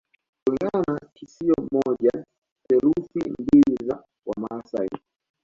Kulingana na kisio moja theluthi mbili za Wamaasai